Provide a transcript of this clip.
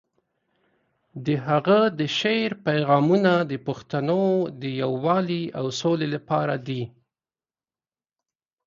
د هغه د شعر پیغامونه د پښتنو د یووالي او سولې لپاره دي.